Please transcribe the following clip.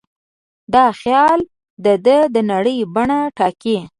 دا خیال د ده د نړۍ بڼه ټاکي.